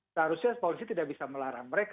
seharusnya polisi tidak bisa melarang mereka